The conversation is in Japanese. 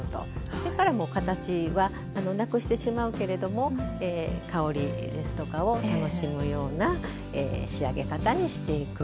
それから形はなくしてしまうけれども香りですとかを楽しむような仕上げ方にしていく。